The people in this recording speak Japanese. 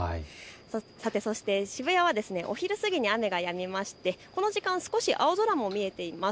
さて、そして渋谷はお昼過ぎに雨がやみましてこの時間、少し青空も見えています。